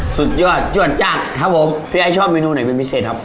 สุดยอดจวดจัดครับผมพี่ไอ้ชอบเมนูไหนเป็นพิเศษครับ